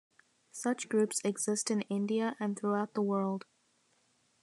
Such groups exist in India and throughout the world.